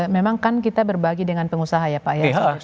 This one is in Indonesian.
memang kan kita berbagi dengan pengusaha ya pak ya